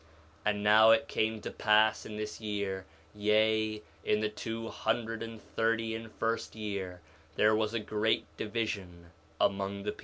4 Nephi 1:35 And now it came to pass in this year, yea, in the two hundred and thirty and first year, there was a great division among the people.